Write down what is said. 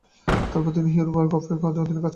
তিনি এরপর হিউ গফের অধীনে কাজ করেন।